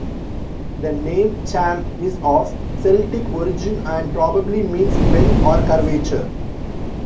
The name "Cham" is of Celtic origin and probably means "bend" or "curvature".